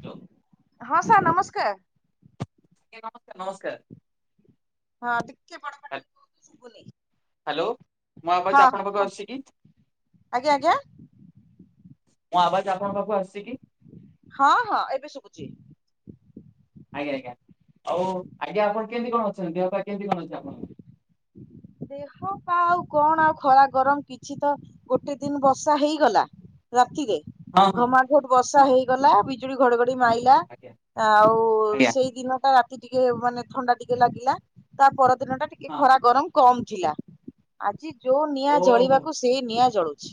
Hello. ହଁ sir ନମସ୍କାର। ନମସ୍କାର। ହଁ ଟିକେ ବଡ଼ ପାଟିରେ କୁହନ୍ତୁ ସୁବୁନି। ହ୍ୟାଲୋ। ମୋ ଆବାଜ ହଁ ହଁ ଆପଣଙ୍କ ପାଖକୁ କୁହନ୍ତୁ ଆସୁଛି କି? ଆଜ୍ଞା ଆଜ୍ଞା। ମୋ ଆବାଜ ଆପଣଙ୍କ ପାଖକୁ ଆସିଚି କି। ହଁ ହଁ ଏବେ ଶୁବୁଚି। ଆଜ୍ଞା ଆଜ୍ଞା ଆଉ ଆଜ୍ଞା ଆପଣ କେମତି କଣ ଅଛନ୍ତି ଦେହ ପା କେମିତି କଣ ଅଛି ଆପଣଙ୍କ? ଦେହ ପା ଆଉ କଣ ଆଉ ଖରା ଗରମ କିଛି ତ ଗୋଟେ ଦିନ୍ ବର୍ଷା ହେଇଗଲା ରାତିରେ ହଁ ହଁ ଘମାଘୋଟ ବର୍ଷା ହଁ ହଁ ହେଇଗଲା ବି ବିଜୁଳି ଘଡଘଡି ମାଇଲା ଆଜ୍ଞା ଆଉ ଆଜ୍ଞା ସେଇ ଦିନଟା ଟିକେ ମାନେ ଥଣ୍ଡା ଟିକେ ଲାଗିଲା ତା ପରଦିନ ଟା ଟିକେ ଖରା ଗରମ କମ ଥିଲା। ଆଜି ଯୋଉ ହଁ ନିଆଁ ଓହୋ। ଜଳିବାକୁ ସେଇ ନିଆଁ ଜଳୁଛି।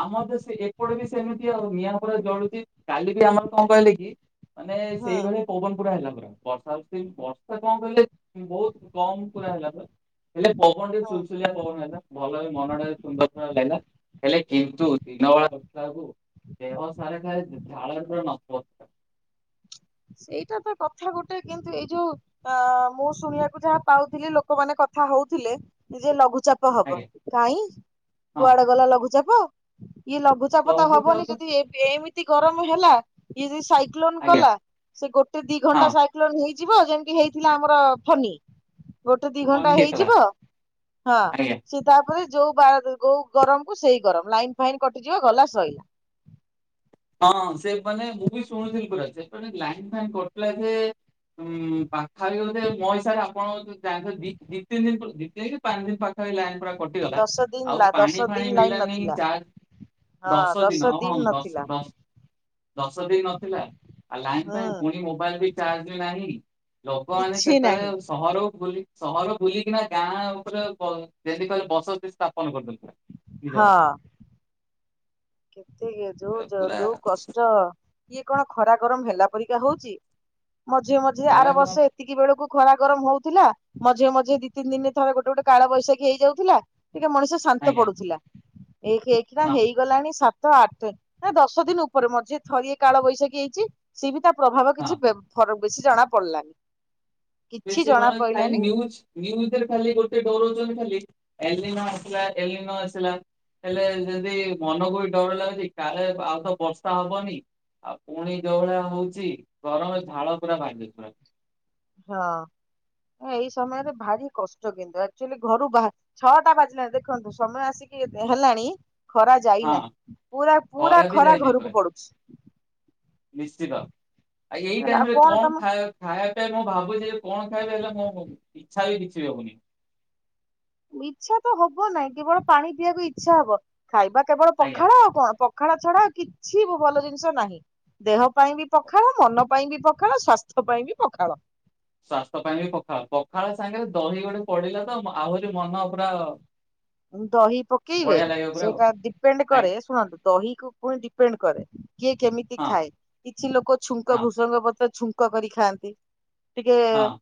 ଆମର ତ ସେ ଏପଟେ ବି ସେମିତି ଆଉ ନିଆଁ ପୁରା ଜଳୁଚି କାଲି ବି ଆମର କଣ କହିଲେ କି ମାନେ ସେଇଭଳି ପବନ ପୁରା ହେଲା ପୁରା ବର୍ଷା ହୋଉଛି ବର୍ଷା କଣ କଲେ ବହୁତ କମ ପୁରା ହେଲା ପ ହେଲେ ପବନ ଟିକେ ହୁଁ। ସୁଲୁ ଶୁଲିଆ ପବନ ହେଲା ଭଲରେ ମନ ଟା ସୁନ୍ଦର ଲାଗିଲା। ହେଲେ କିନ୍ତୁ ଦିନବେଳା ଦେଖିଲାବେଳକୁ ଦେହ ସାରା ଖାଲି ଝାଳ ରେ ନଥପତ୍। ସେଇଟା ତ କଥା ଗୋଟେ କିନ୍ତୁ ଏଇ ଯୋଉ ଅ ମୁଁ ଶୁଣିବାକୁ ଯାହା ପାଉଥିଲି ଲୋକମାନୋ କଥା ହଉଥିଲେ ଯେ ଲଘୁଚାପ ହବ ଆଜ୍ଞା କାହିଁ ହଁ କୁଆଡେ ଗଲା ଲଘୁଚାପ ଇଏ ଲଘୁଚା ପଚାପତା ହବନି ଲଘୁଚାପ ଯଦି ଏମିତି ଗରମ ହେଲା ଇଏ ଯଦି ସାଇକ୍ଲୋନ ଆଜ୍ଞା କଲା। ସେ ଗୋଟେ ଦି ହଁ ଘଣ୍ଟା ସାଇକ୍ଲୋନ ହେଇଯିବ ଯେମିତି ହେଇଥିଲା ଆମର ଫନି। ଗୋଟେ ଦି କମି ଘଣ୍ଟା ଯାଇଥିଲା ହେଇଯିବ ହଁ। ଆଜ୍ଞା। ସି ତାପରେ ଯୋଉ ଯୋଉ ଗରମ କୁ ସେଇ ଗରମ ଲାଇନ ଫାଇନ୍ କଟିଯିବ ଗଲା ସଇଲା। ହଁ ସେ ମାନେ ମୁଁ ବି ଶୁଣୁଥିଲି ପୁରା ସେ ଲାଇନ ଫାଇନ କଟିଲା ଯେ ଉଁ ପାଖା ପାଖି ବୋଧେ ମୋ ହିସାବରେ ଆପଣ ଦି ଦି ତିନି ଦିନ ଦି ପାନ ଦିନି ପାଖା ପାଖି ଲାଇନ୍ ପୁରା କଟିଗଲା ଦଶ ଆଉ ଦିନ ପାଣି ଦଶ ଫାଣି ଦିନ ଲାଇନ ମିଳିଲାନି ନଥିଲା ଚା ଦଶ ଦିନ ହଁ ଦଶ ଦଶ ଦିନ ନଥିଲା ଆଉ ଲାଇନ୍ ହୁଁ ଫାଇନ ପୁଣି ମୋବାଇଲ ବି ଚାର୍ଜ ନାହିଁ। ଲୋକମାନେ କିଛି ନାହିଁ। ସେତେବେଳେ ସହରକୁ ଭୁଲି ସହର ଭୁଲିକିନା ଗାଁ ଉପରେ ବ ଡେଲି ଖାଲି ବସତୀ ସ୍ଥାପନ କରିଦଲେ। ହ ହଁ। କେତ କିଏ ଯୋଉ ପୁରା ଯୋଉ କଷ୍ଟ ଚ ଇଏ କଣ ଖରା ଗରମ ହେଲା ପରିକା ହଉଛି ମଝିରେ ମଝିରେ ଆର ଖରାପ ବର୍ଷ ସେତିକି ବେଳକୁ ଖରା ଗରମ ହଉଥିଲା ମଝିରେ ମଝିରେ ଦି ତିନି ଦିନ ଥରେ ଗୋଟେ ଗୋଟେ କଳବୈଶାଖୀ ହେଇଯାଉଥିଲା। ଟିକେ ମଣିଷ ଶାନ୍ତ ଆଜ୍ଞା ପଡୁଥିଲା ଏଇଇକି ନା ହଁ ହେଇଗଲାଣି। ସାତ ଆଠ ଏ ଦଶ ଦିନ ଉପରେ ମ ଯିଏ ଥରିଏ କାଳ ବୈଶାଖୀ ହେଇଛି। ସି ବି ତା ପ୍ରଭାବ ହଁ। କିଛି ବେ ବେଶୀ ଜଣା ପଡିଲାନି। କିଛି ବେଶୀ ବ ଜଣା ଖାଲି ପଡିଲାନି ନ୍ୟୁଜ। ନିୟୁଜ୍ ଭିତରେ ଖାଲି ଗୋଟେ ଡରଉ ଛନ୍ତି ଖାଲି ଏଲିନ ଆସିଲା ଏଲିନ ଆସିଲା। ହେଲେ ଯଦି ମନକୁ ବି ଡର ଲାଗୁଛି କାଳେ ଆଉ ତ ବର୍ଷା ହବନି। ଆଉ ପୁଣି ଯୋଉଭଳିଆ ହଉଛି ଗରମରେ ଝାଳ ପୁରା ବାହାରି ଯାଉଚି ପୁରା। ହଁ ଏଇ ସମୟରେ ଭାରି କଷ୍ଟ କିନ୍ତୁ ଆଚୁଆଲି ଘରୁ ବାହାର ଛଅଟା ବାଜିଲାଣି ଦେଖନ୍ତୁ ସମୟ ଆସିକି ଏତେ ହେଲାଣି ଖରା ହଁ। ଯାଇନାହିଁ ପୁରା ପୁରା ବି ଖରା ଯାଇନି ପୁରା ଘରକୁ ପଡୁଛି। ନିଶ୍ଚିତ ଆଉ ଏଇ ହେଲା ଆଉ ଟାଇମ ରେ କଣ ତମ ଖାଏ ଖାଇବା ପାଇଁ ମୁଁ ଭାବୁଛି ଯେ କଣ ଖାଇବେ ହେଲେ ମୋ ଇଚ୍ଛା ବି କିଛି ବି ହଉନି। ଇଚ୍ଛା ତ ହବ ନାଇଁ କେବଳ ପାଣି ପିଇବାକୁ ଇଚ୍ଛା ହବ ଖାଇବା କେବଳ ଆଜ୍ଞା। ପଖାଳ ଆଉ କଣ ପ ପଖାଳ ଛଡା କିଛି ବି ଭଲ ଜିନିଷ ନାହିଁ ଦେହ ପାଇଁ ବି ପଖାଳ ମନ ପାଇଁ ବି ପଖା ପଖାଳ ସ୍ୱାସ୍ଥ୍ୟ ପାଇଁ ବି ପଖାଳ। ସ୍ୱାସ୍ଥ୍ୟ ପାଇଁ ବି ପଖାଳ ପଖାଳ ସାଙ୍ଗରେ ଦହି ଗୋଟେ ପଡିଲା ତ ଆହୁରି ମନ ପୁରା ମୁଁ ଦହି ପକେଇବେ ବଢିଆ ଲାଗିବ ପୁରା ଆଉ ସେଇଟା ଡିପେଣ୍ଡ କରେ ଆଜ୍ଞା ଶୁଣନ୍ତୁ ଦହିକୁ ପୁଣି ଡିପେଣ୍ଡ କରେ କିଏ କେମିତି ହଁ ଖାଏ କିଛି ଲୋକ ଛୁଙ୍କ ହଁ ଭୃସଙ୍ଗ ପତ୍ର ଛୁ ପୋକ କରି ଖାଆନ୍ତି ଟିକେ ହଁ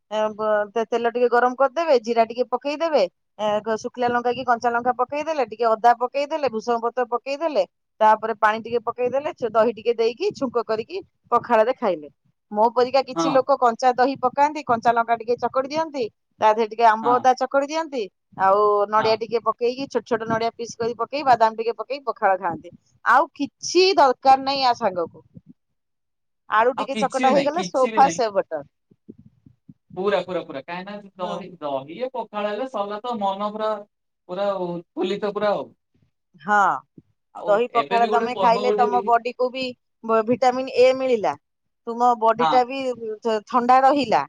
ତେଲ ଟିକେ ଗରମ କରିଦେବେ ଜିରା ଟିକେ ପକେଇଦେବେ ଶୁଖିଲା ଲଙ୍କା କି କଞ୍ଚା ଲଙ୍କା ପକେଇଦେଲେ ଟିକେ ଅଦା ପକେଇଦେଲେ ଭୂସୁଙ୍ଗ ପତ୍ର ପକେଇଦେଲେ ତାପରେ ପାଣି ଟିକେ ପକେଇଦେଲେ ଦହି ଟିକେ ଦେଇକି ଛୁଙ୍କ କରିକି ପଖାଳରେ ଖାଇଲେ। ମୋ ପରିକା ହଁ। କିଛି ଲୋକ କଞ୍ଚା ଦହି ପକାନ୍ତି କଞ୍ଚା ଲଙ୍କା ଟିକେ ଚକଡି ଦିଅନ୍ତି ତା ଦେହରେ ଟିକେ ଟିକେ ହଁ ଆମ୍ବ ଅ ଦା ଚକଳି ଦିଅନ୍ତି ଆଉ ହଁ ନଡିଆ ଟିକେ ପକେଇକି ଛୋଟ ଛୋଟ ନଡିଆ ପିସ୍ କରି ପକେଇ ବାଦାମ ଟିକେ ପକେଇକ ପଖାଳ ଖାଆନ୍ତି। ଆଉ କିଛି ଦରକାର ନାହିଁ ୟା ସାଙ୍ଗକୁ। ଆଳୁ ଆଉ ଟିକେ କିଛି ବି ଚକଟା ନାହିଁ ହେଇଗଲା କିଛି ବି ସୋଫା ନାହିଁ ସେ ବଟର। ପୁରା ପୁରା ପୁରା କାଇ ନା ଦହି ଦହି ଏ ପଖାଳ ହେଲେ ସରିଲା ତ ମନ ପୁରା ପୁରା ଉତଫୁଲିତ ପୁରା ଆଉ ହଁ ଆଉ ଦହି ଏବେ ପଖାଳ ବି ଗୋଟେ ତମେ ପର୍ବ ଖାଇଲେ ଗୋଟେ ତମ ବି ବଡ଼ି ତୁମକୁ ବି ବ ଭିଟାମିିନ୍ ଏ ମିଳିଲା ତୁମ ବଡି ହଁ ଟା ବି ଥଣ୍ଡା ରହିଲା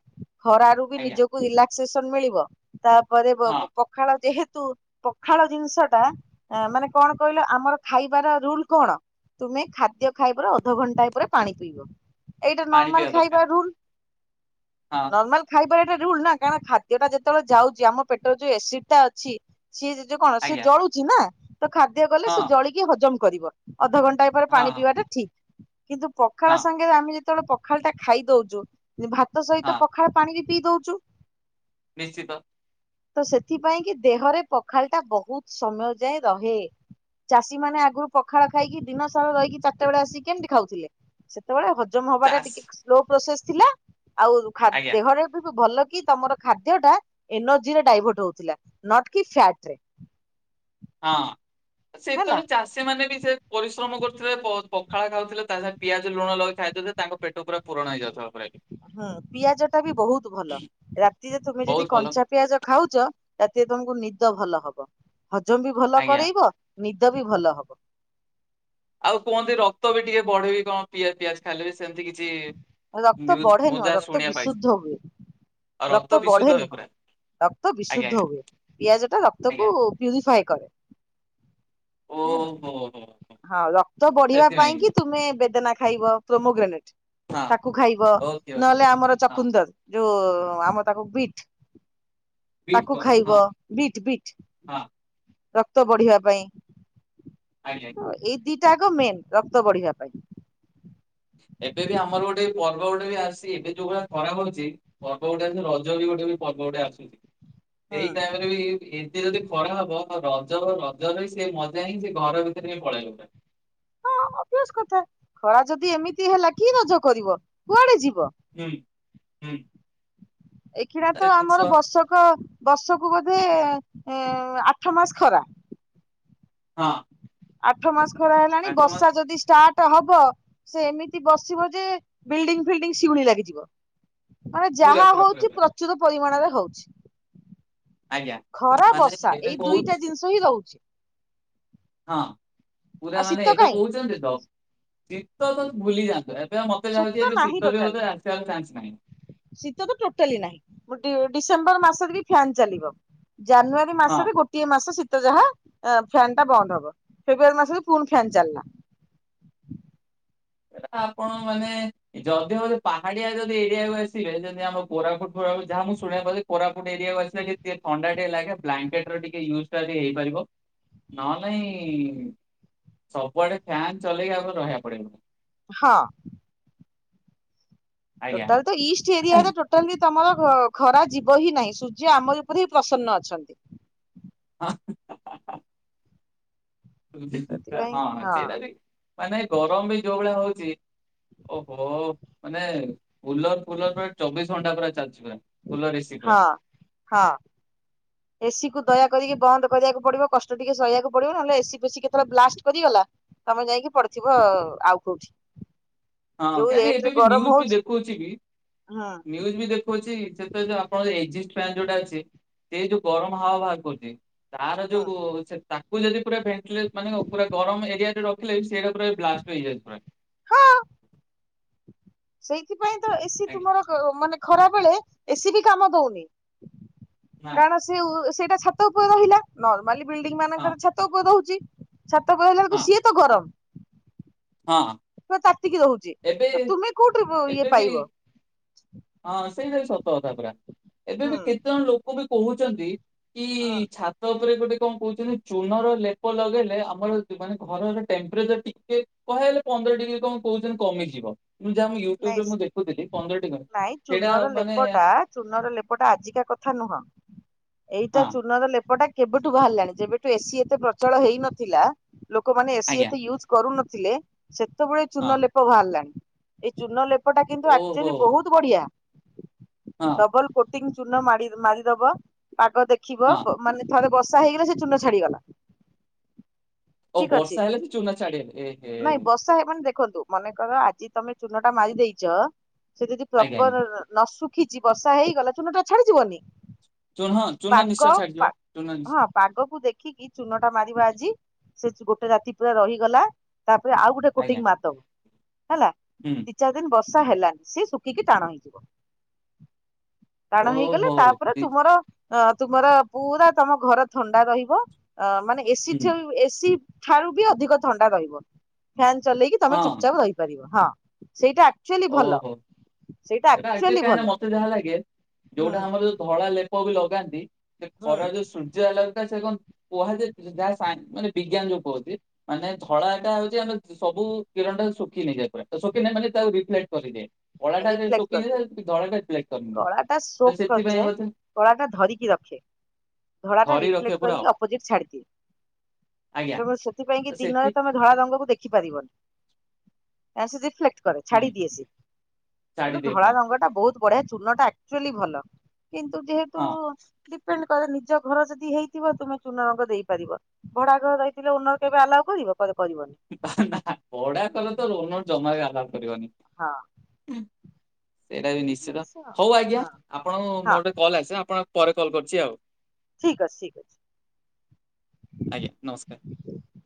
ଖରାରୁ ବି ଆଜ୍ଞା ନିଜକୁ ରିଲାକ୍ସେସନ ମିଳିବ ତାପରେ ବ ହଁ ବ ପଖାଳ ଯେହେତୁ ପଖାଳ ଜିନିଷ ଟା ମାନେ କଣ କହିଲ ଆମର ଖାଇବାର ରୁଲ କଣ? ତୁମେ ଖାଦ୍ୟ ଖାଇବାର ଅଧଘଣ୍ଟାଏ ପରେ ପାଣି ପିଇବ ଏଇଟା ପାଣି ପିଇବା ନର୍ମାଲ ଦରକାର ଖାଇବା ରୁଲ୍ ହଁ ନର୍ମାଲ ଖାଇବାର ଏଟା ରୁଲ୍ ନା କାରଣ ଖାଦ୍ୟ ଟା ଯେତେବେଳେ ଯାଉଛି ଆମ ପେଟରେ ଯୋଉ ଏସିଡ ଟା ଅଛି ସିଏ ଯେ ଯୋଉ କଣ ସିଏ ଆଜ୍ଞା ଜଳୁଚି ନା ତ ଖାଦ୍ୟ ଗଲେ ସେ ହଁ ଜଳିକି ହଜମ କରିବ ଅଧଘଣ୍ଟାଏ ପରେ ହଁ ପାଣି ହଁ ପିଇବା ଟା ଠିକ୍ କିନ୍ତୁ ପଖାଳ ହଁ ସାଙ୍ଗେ ଆମେ ଯେତେବେଳେ ପଖାଳ ଟା ଖାଇ ଦଉଛୁ ଭାତ ସହିତ ହଁ ପ ପଖାଳ ପାଣି ବି ପିଇଦଉଚୁ। ନିଶ୍ଚିତ। ତ ସେଥିପାଇଁ କି ଦେହରେ ପଖାଳ ଟା ବହୁତ୍ ସମୟ ଯାଏଁ ରହେ ଚାଷୀ ମାନେ ଆଗରୁ ପଖାଳ ଖାଇକି ଦିନ ସାରା ରହିକି ଚାରିଟା ବେଳେ ଆସିକି କେମିତି ଖାଉଥିଲେ। ସେତେବେଳେ ହଜମ ହବା ଟା ଚାଷ୍ ଟିକେ ସ୍ଲୋ ପ୍ରୋସେସ ଥିଲା ଆଉ ଖାଦ୍ ଆଜ୍ଞା ଦେହରେ ବି ଭଲ କି ତମର ଖାଦ୍ୟ ଟା ଏନର୍ଜି ରେ ଡାଇଭର୍ଟ ହଉଥିଲା ନଟ କି ଫ୍ୟାଟ୍ ରେ ହଁ ହେଲା ସେତେବେଳେ ଚାଷ ସେମାନେ ବି ସେ ପରିଶ୍ରମ କରୁଥିଲେ ପ ପଖାଳ ଖାଉଥିଲେ ତା ସାଙ୍ଗେ ପିଆଜ ଲୁଣ ଲଗେଇ ଖାଇ ଦଉଥିଲେ। ତାଙ୍କ ପେଟ ପୁରା ପୁରଣ ହେଇଯାଉଥିବ ପୁରା ବି ହୁଁ ପିଆଜ ଟା ବି ବହୁତ୍ ଭଲ ରାତିରେ ତୁମେ ଯଦି ବହୁତ ଭଲ କଞ୍ଚା ପିଆଜ ଖାଉଚ ରାତିରେ ତମକୁ ନିଦ ଭଲ ହବ, ହଜମ ବି ଭଲ ଆଜ୍ଞା କରେଇବ ନିଦ ବି ଭଲ ହବ। ଆଉ କୁହନ୍ତି ରକ୍ତ ବି ଟିକେ ବଢେ ବି କଣ ପିଆଜ ପିଆଜ ଖାଇଲେ ବେଶ୍ ରକ୍ତ ବଢେ ନୁହଁ, ଯାହା ରକ୍ତ ଶୁଣିବା ପାଇଛି ବିଶୁଦ୍ଧ ହୁଏ। ଆଉ ରକ୍ତ ବଢେ ବିଶୁଦ୍ଧ ହୁଏ ନୁହଁ ପୁରା ରକ୍ତ ଆଜ୍ଞା ବିଶୁଦ୍ଧ ଆଜ୍ଞା ହୁଏ ପିଆଜ ଟା ଆଜ୍ଞା ରକ୍ତକୁ ପ୍ୟୁରିଫାଇ କରେ ହେଲା। ଓହୋ ହୋ ହୋ ହଁ ରକ୍ତ ବଢିବା ପାଇଁ ସେଥିପାଇଁ କି ତୁମେ ବେଦନା ଖାଇବ ପ୍ରୋମୋଗ୍ରାନିଟ୍। ହଁ ତାକୁ ଖାଇବ ଓକେ ଓକେ ନହେଲେ ଆମର ହଁ ଚକୁନ୍ଦର ଯୋଉ ଆମ ତାକୁ ବିଟ୍ ବିଟ୍ ତାକୁ କୁହନ୍ତି ଖାଇବ ହଁ ବିଟ୍ ବିଟ୍ ହଁ ରକ୍ତ ବଢିବା ପାଇଁ ଆଜ୍ଞା। ହଁ ଏ ଦିଟା ଆକ ମେନ୍ ରକ୍ତ ବଢିବା ପାଇଁ ଏବେ ବି ଆମର ଗୋଟେ ପର୍ବ ଗୋଟେ ବି ଆସି ଏବେ ଯୋଉ ଭଳିଆ ଖରା ହଉଚି। ପର୍ବ ଗୋଟେ ରଜ ବି ଗୋଟେ ବି ପର୍ବ ଗୋଟେ ଆସୁଚି ହୁଁ ଏଇ ଟାଇମ୍ ରେ ବି ଟିକେ ଯଦି ଖରା ହବ ରଜର ରଜରେ ସେ ମଜା ହିଁ ସେ ଘର ଭିତରେ ହି ପଳେଇବ। ଅବ୍ୟାସ କଥା ଖରା ଯଦି ଏମିତି ହେଲା କି ରଜ କରିବ କୁଆଡେ ଯିବ। ହୁଁ ହୁଁ। ଏଖିଣା ଏଟା ତ ଜିନିଷ ଆମର ବର୍ଷକ ବର୍ଷକୁ ବୋଧେ ଏଁ ଆଠ ମାସ ଖରା। ହଁ। ଆଠ ମାସ ଖରା ହେଲାଣି ଆଠ ମାସ ବର୍ଷା ଯଦି ଷ୍ଟାର୍ଟ ଟ ହବ ସେ ଏମିତି ବରସିବ ଯେ ବିଲ୍ଡିଙ୍ଗ ଫିଲ୍ଡିଙ୍ଗ ଶିଉଳି ଲାଗିଯିବ। ମାନେ ପୁରା ଯାହା ପୁରା ପୁରା ହଉଚି ପୁରା ପ୍ରଚୁର ପରିମାଣରେ ହଉଚି। ଆଜ୍ଞା ମାନେ ବର୍ଷା ଏବେ ଏଇ ଦୁଇଟା କହୁଚି ଜିନିଷ ହିଁ ରହୁଛି ହଁ ପୁରା ଆଉ ମାନେ ଶୀତ ଏବେ କାହିଁ କହୁଛନ୍ତି ତ ଶୀତ ତ ଭୁଲି ଯାଆନ୍ତୁ। ଏ ମତେ ଯାହା ଶୀତ କି ଏବେ ନାହିଁ ଶୀତ ବି ଟୋଟାଲି। ବୋଧେ ଆସିବାର ଚାନ୍ସ ନାହିଁ। ଶୀତ ତ ଟୋଟାଲି ନାହିଁ ଗୋଟିଏ ଡିସେମ୍ବର ମାସରେ ବି ଫ୍ୟାନ ଚାଲିବ ଜାନୁଆରୀ ହଁ ମାସରେ ଗୋଟିଏ ମାସ ଶୀତ ଯାହା ଫ୍ୟାନ ଟା ବନ୍ଦ ହବ ଫେବୃୟାରୀ ମାସରେ ପୁଣି ଫ୍ୟାନ ଚାଲିଲା। ଏଟା ଆପଣ ମାନେ ଯଦିଓ ପାହାଡିଆ ଯଦି ଏରିଆକୁ ଆସିବେ ଯଦି ଆମ କୋରାପୁଟ୍ ଫୋରା ପୁ ଯହା ମୁଁ ଶୁଣିଆକୁ କୋରାପୁଟ୍ ଏରିଆକୁ ଆସିଲେ ଯେ ଥଣ୍ଡା ଟିଏ ଲାଗେ ବ୍ଲାଙ୍କେଟର ଟିକେ ୟୁ ହେଇପାରିବ ନହେ ନାଇଁ ସବୁଆଡେ ଫ୍ୟାନ ଚଲେଇକି ଆମର ରହିବା ପଡିବ। ହଁ। ଆଜ୍ଞା ଟୋଟଲ ତ ଇଷ୍ଟ ଏରିଆ ରେ ଅଟ ବି ତମର ଖରା ଯିବ ହିଁ ନାହିଁ ସୂର୍ଯ୍ୟ ଆମରି ଉପରେ ହି ପ୍ରସନ୍ନ ଅଛନ୍ତି। [inaudible] ହଁ ସେଇଟା ବି ମାନେ ଗରମ ବି ଯୋଉ ଭଳିଆ ହଉଚି ଓହୋ ମାନେ କୁଲର ଫୁଲର ମାନେ ଚବିଶ ଘଣ୍ଟା ପୁରା ଚାଲିଚି ପୁରା କୁଳର ଏସି। ପୁରା ହଁ ହଁ। ଏସିି କୁ ଦୟା କରିକି ବନ୍ଦ କରିବାକୁ ପଡିବ କଷ୍ଟ ଟିକେ ସହିଆକୁ ପଡିବ ନହଲେ ଏସି ପେସିି କେତେବେଳେ ବ୍ଲାଷ୍ଟ କରିଗଲା ତମେ ଯାଇକି ପଡି ଥିବ ଆଉ କୋଉଠି। ହଁ ଯୋଉ କେଆଣି ରେଟ ରେ ଏବେ ବି ଗରମ ନ୍ୟୁଜ୍ ବି ହଉଛି ଦେଖଉଚି ବି ହୁଁ ନ୍ୟୁଜ୍ ବି ଦେଖ ସେ ଆପଣଜି ଏଜିଷ୍ଟ ଫ୍ୟାନ ଯୋଉଟା ଅଛି ସେ ଯୋଉ ଗରମ ହାୱା ବାହାର କରୁଚି। ତାର ହୁଁ ଯୋଉ ସେ ତା କୁ ଯଦି ପୁରା ଭେଣ୍ଟ ମାନେ କ ପୁରା ଗରମ ଏରିଆରେ ରଖିଲେ ସେଇଟା ପୁରା ବ୍ଲାଷ୍ଟ ହେଇଯାଏ ପୁରା। ହଁ [inaudible] ସେଇଥିପାଇଁ ତ ଏସିି ଆଜ୍ଞା ତୁମର ମାନେ ଖରାବେଳେ ଏସିି ବି କାମ ଦଉନି। କାରଣ ସେ ସେଇଟା ଛାତ ଉପରେ ରହିଲା ନର୍ମାଲି ବିଲଡିଂ ହଁ ମାନଙ୍କରେ ଛାତ ଉପରେ ରହୁଚି। ଛାତ କହିଲା ଏଳକୁ ସିଏ ତ ଗରମ। ହଁଁ। ତ ତାତିକି ରହୁଚି ତ ତୁମେ କୋଉଠୁ ଏବେ ଇଏ ବି ପାଇବ? ହଁ ସେଇଟାବି ସତକଥା ପୁରା ହୁଁ ଏବେବି କେତେଜଣ ଲୋକ ବି କହୁଛନ୍ତି କି ହଁ ଛା ତା ଉପରେ ଗୋଟେ କଣ କହୁଚନ୍ତି ଚୂନର ଲେପ ଲଗେଇଲେ ଆମର ମାନେ ଘରର ଟେମ୍ପରେଚର ଟିକେ କହ ହେଲେ ପନ୍ଦର ଡିଗ୍ରୀ କଣ କହୁଚନ୍ତି କମିଯିବ। ମୁଁ ଯାହା ମୁ ୟୁଟ୍ୟୁବ ରେ ନାଇଁ ମୁଁ ଦେଖୁଥିଲି ପନ୍ଦରଟି ନାଇଁ ସେଇଟା ଚୂନର ମାନେ ଲେପଟା ଚୂନର ଲେପଟା ଆଜିକା କଥା ନୁହଁ ଏଇଟା ହଁ ଚୂନର ଲେପଟା କେବେଠୁ ବାହାରିଲାଣି ଯେବେଠୁ ଏସିି ଏତେ ପ୍ରଚଳ ହେଇନଥିଲା ଲୋକମାନେ ଏସି ଆଜ୍ଞା ଏତେ ୟୁଜ କରୁନଥିଲେ ସେତେବେଳୁ ଏ ହଁ ଚୁନଲେପ ବାହାରିଲାଣି। ଏଇ ଚୁନଲେପ ଟା କିନ୍ତୁ ଆକ୍ଟୁଲି ଓହୋ ବହୁତ ତୁ ବଢିଆ। ହଁ ଡବଲ କୋଟିଂ ଚୁନ ମାଡ଼ି ମାରିଦବ ପାଗ ଦେ ଖିବ, ହଁ ମାନେ ଥରେ ବର୍ଷା ହେଇଗଲେ ସେ ଚୂନ ଛାଡିଗଲା। ଓ ଠିକ ବର୍ଷା ହେଲେ ତ ଚୂନ ଛାଡେନି ଏ ହେ। ସାର ମାନେ ଦେଖନ୍ତୁ ମନେକର ଆଜି ତମେ ଚୁନଟା ମାରି ଦେଇଚ, ସେ ଯଦି ଆଜ୍ଞା ଆଜ୍ଞା ପ୍ରପର ନ ଶୁଖିଚି ବର୍ଷା ହେଇଗଲା ଚୁନଟା ଛାଡିଯିବନି? ଚୁନ ଚୁନ ନିଶ୍ଚୟ ପାଗ ଛାଡିଯିବ। ଚୁନ ନିଶ ହଁ ପାଗକୁ ଦେଖିକି ଚୁନ ଟା ମାରିବ ଆଜି। ସେ ଗୋଟେ ରାତି ପୁରା ରହିଗଲା, ତାପରେ ଆଉ ଗୋଟେ କୋଟିଂ ଆଜ୍ଞା ମାରିଦବ, ହେଲା? ହୁଁ। ଦି ଚାରିଦିନ ବର୍ଷା ହେଲାନି, ସେ ଶୁଖିକି ଟାଣ ହେଇଯିବ। ଟାଣ ହେଇଗଲେ ଓହୋ ତାପରେ ଦି- ତୁମର ଅ ତୁମର ପୁରା ତମ ଘର ଥଣ୍ଡା ରହିବ। ଅ ମାନେ ଏସି ହୁଁ ଠୁ ଏସି ଠାରୁ ବି ଅଧିକ ଥଣ୍ଡା ରହିବ। ଫ୍ୟାନ ଚଲେଇକି ତମେ ହଁ ଚୁପଚାପ ରହିପାରିବ। ହଁ ସେଇଟା ଆକ୍ଚୁଆଲି ଭଲ ଓହୋ ସେଇଟା ଏଟା ଆକଚୁଆଲି ଆକ୍ଚୁଆଲି କାହିଁକି ନା ଭଲ ମତେ ଯାହା ଲାଗେ, ହୁଁ ଯୋଉଟା ଆମର ଯୋଉ ଧଳା ଲେ ପ ବି ଲଗାନ୍ତି ସେ ହୁଁ ଖରା ଯୋଉ ସୂର୍ଯ୍ୟ ହେଲଗଥା ସେ କଣ [unintelligible] କୁହାଯେ ଯାହା ସାଇ ମାନେ ବିଜ୍ଞାନ ଯୋଉ କୁହନ୍ତି ମାନେ ଧଳା ଏଟା ହଉଛି ଆମେ ସବୁ କିରଣ ଟା ଶୁଖିନେଇଯାଏ ପୁରା। ଶୁଖିନାହି ମାନେ ତାଉ କରିଦେ ଅଳାଟା ଯଦି ରିଫ୍ଲେକ୍ଟ ସୁଖୀ କରିଦିଏ ଧଳାା କଳା ଟା କରିନି ସୋକ୍ ସେଥିପାଇଁ କରିଯାଏ ବୋଧେ। [unintelligible] କଳା ଟା ଧରିକି ରଖେ। ଧଳାଟା ଧରି ରଖେ ରିଫ୍ଲେକ୍ଟ ପୁରା ଆଉ କରିକି ଅପଜିଟି ଛାଡିଦିଏ। ଆଜ୍ଞା ତ ସେଥିପାଇଁ ତ କି ସେଠି ଦିନରେ ତମେ ଧଳା ରଙ୍ଗକୁ ଦେଖି ପାରିବନି। କାରଣ ସେ ରିଫ୍ଲେକ୍ଟ କରେ ଛାଡି ହୁଁ ଦିଏ ସିଏ। ତେଣୁ ଛାଡିଦିଏ ଧଳା ପୁରା। ରଙ୍ଗ ଟା ବହୁତ୍ ବଢିଆ ଚୂନ ଟା ଆକଚୁଆଲି ଭଲ। କିନ୍ତୁ ଯେହେତୁ ହଁ ଡିପେଣ୍ଡ କରେ, ନିଜ ଘର ଯଦି ହେଇଥିବ ତୁମେ ଚୂନ ରଙ୍ଗ ଦେଇପାରିବ। ଘଡା ଘରେ ରହିଥିଲେ ଓନର କେବେ ଆଲାଉ କରିବ? କରିପାରିବନି। ନାଁ ଭଡା ଘରେ ତ ଓନର ଜମା ବି ଆଲାଓ କରିବନି। ହଁ। ସେଇଟା ବି ଏଇ ନିଶ୍ଚିତ। ଜିନିଷ ହଉ ଆଜ୍ଞା, ହଁ ଆପଣ ମୋର ହଁ ଗୋଟେ କଲ୍ ଆସିଲା ଆପଣ ପରେ କଲ୍ କରୁଚି ଆଉ। ଠିକ୍ ଅଛି, ଠିକ ଅଛି। ଆଜ୍ଞା, ନମସ୍କାର୍।